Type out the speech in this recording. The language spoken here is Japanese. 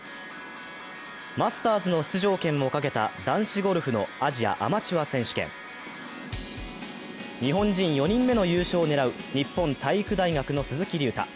マスターズの出場権をかけた男子ゴルフのアジアアマチュア選手権。日本人４人目の優勝を狙う日本体育大学の鈴木隆太。